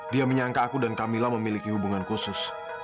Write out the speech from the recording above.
dia menyangka aku dan camilla memiliki hubungan khusus